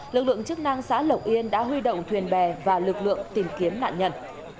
lực lượng chức năng xã lộc yên đã huy động thuyền bè và lực lượng tìm kiếm nạn nhân